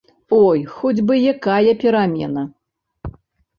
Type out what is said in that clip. Ой, хоць бы якая перамена!